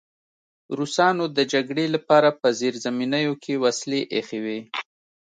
روسانو د جګړې لپاره په زیرزمینیو کې وسلې ایښې وې